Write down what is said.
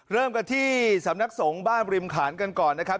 เริ่มกันที่สำนักสงฆ์บ้านบริมขานกันก่อนนะครับ